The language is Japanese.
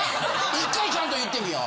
一回ちゃんと言ってみよう。